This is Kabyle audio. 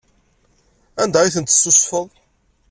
Anda ay tent-tessusfeḍ?